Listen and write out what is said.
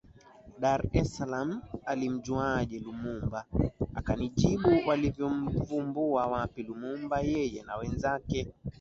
Dar es Salaam alimjuaje Lumbumba Akanijibu walimvumbua wapi Lumumba Yeye na wenzake